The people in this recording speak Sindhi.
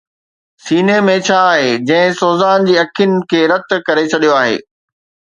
سيني ۾ ڇا آهي جنهن سوزان جي اکين کي رت ڪري ڇڏيو آهي؟